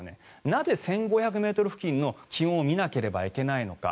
なぜ１５００ｍ付近の気温を見なければいけないのか。